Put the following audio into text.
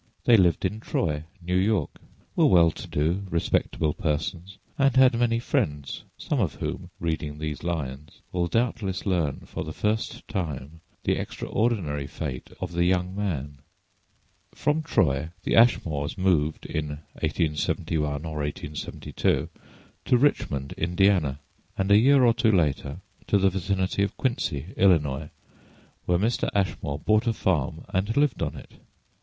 They lived in Troy, New York, were well to do, respectable persons, and had many friends, some of whom, reading these lines, will doubtless learn for the first time the extraordinary fate of the young man. From Troy the Ashmores moved in 1871 or 1872 to Richmond, Indiana, and a year or two later to the vicinity of Quincy, Illinois, where Mr. Ashmore bought a farm and lived on it.